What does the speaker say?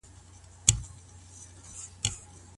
په وليمه کي صحيح نيت لرل ولي لازم دي؟